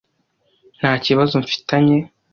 nta kibazo mfitanye